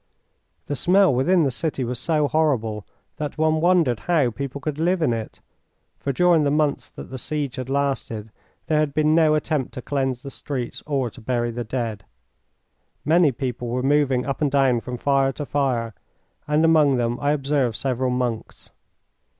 The smell within the city was so horrible that one wondered how people could live in it, for during the months that the siege had lasted there had been no attempt to cleanse the streets or to bury the dead. Many people were moving up and down from fire to fire, and among them I observed several monks.